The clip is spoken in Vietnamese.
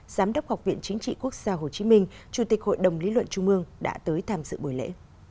giám đốc học viện chính trị quốc gia hồ chí minh chủ tịch hội đồng lý luận trung mương đã tới tham dự buổi lễ